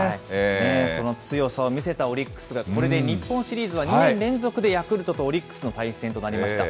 その強さを見せたオリックスがこれで日本シリーズは２年連続でヤクルトとオリックスの対戦となりました。